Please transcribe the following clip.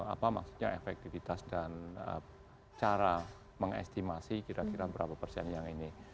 apa maksudnya efektivitas dan cara mengestimasi kira kira berapa persen yang ini